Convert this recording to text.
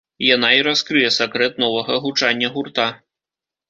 Яна і раскрые сакрэт новага гучання гурта.